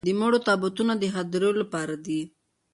د مړو تابوتونه د هديرو لپاره دي.